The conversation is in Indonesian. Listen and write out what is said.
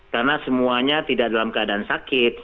karena semuanya tidak dalam keadaan sakit